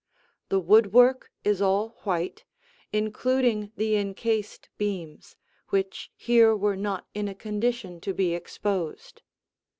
The woodwork is all white, including the encased beams, which here were not in a condition to be exposed.